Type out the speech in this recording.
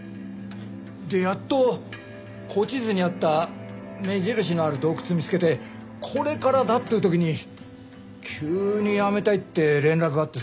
でやっと古地図にあった目印のある洞窟見つけてこれからだっていう時に急にやめたいって連絡があってさ。